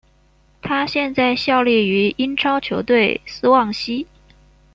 他现在效力于英超球队斯旺西。